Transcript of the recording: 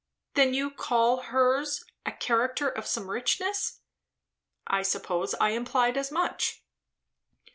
"Then you call hers, a character of some richness?" "I suppose I implied as much."